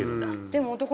でも。